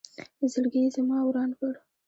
زړګې یې زما وران کړ